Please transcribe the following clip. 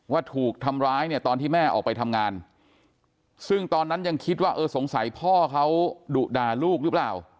ว่าถูกทำร้ายเนี่ยตอนที่แม่ออกไปทำงานซึ่งตอนนั้นยังคิดว่าเออสงสัยพ่อเขาดุด่าลูกหรือเปล่า